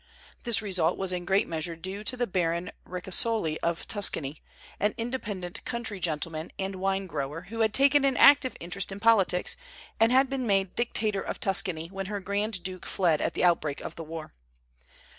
This result was in great measure due to the Baron Ricasoli of Tuscany, an independent country gentleman and wine grower, who had taken active interest in politics, and had been made Dictator of Tuscany when her grand duke fled at the outbreak of the war.